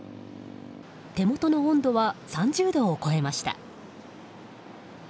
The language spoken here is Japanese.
手元の温度は３０度を超えました。